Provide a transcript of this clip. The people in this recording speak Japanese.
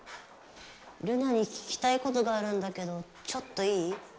ルナに聞きたいことがあるんだけどちょっといい？